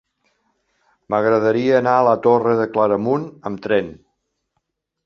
M'agradaria anar a la Torre de Claramunt amb tren.